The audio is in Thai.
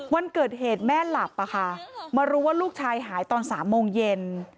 วันเกิดเหตุแม่หลับมารู้ว่าลูกชายหายตอน๓โมงเย็น